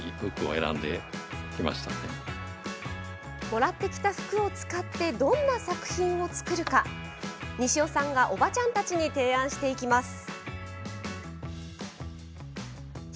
もらってきた服を使ってどんな作品を作るか西尾さんがおばちゃんたちに提案していきます。